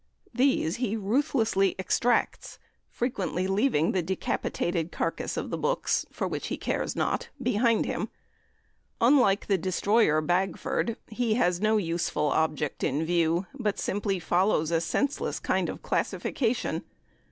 These he ruthlessly extracts, frequently leaving the decapitated carcase of the books, for which he cares not, behind him. Unlike the destroyer Bagford, he has no useful object in view, but simply follows a senseless kind of classification.